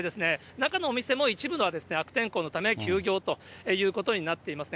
中のお店も一部は悪天候のため休業ということになっていますね。